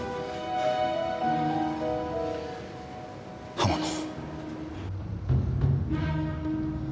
浜野。